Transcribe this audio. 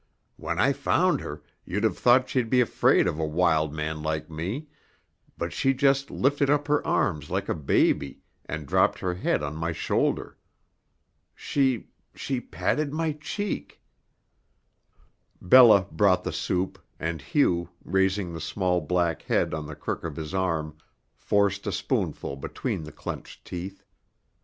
When I found her, you'd have thought she'd be afraid of a wild man like me, but she just lifted up her arms like a baby and dropped her head on my shoulder. She she patted my cheek " Bella brought the soup, and Hugh, raising the small black head on the crook of his arm, forced a spoonful between the clenched teeth.